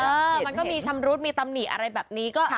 เออมันก็มีชำรุษมีตำนี่อะไรแบบนี้ก็ใช่